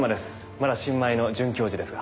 まだ新米の准教授ですが。